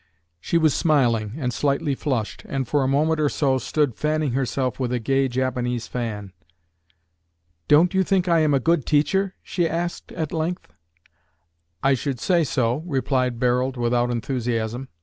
She was smiling, and slightly flushed, and for a moment or so stood fanning herself with a gay Japanese fan. "Don't you think I am a good teacher?" she asked at length. "I should say so," replied Barold, without enthusiasm.